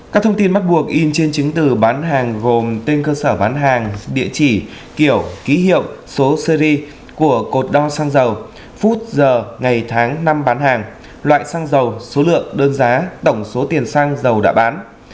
các thông tin bắt buộc in trên chứng từ bán hàng gồm tên cơ sở bán hàng địa chỉ kiểu ký hiệu số series của cột đo xăng dầu phút giờ ngày tháng năm bán hàng loại xăng dầu số lượng đơn giá tổng số tiền xăng dầu đã bán